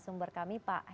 terima kasih pak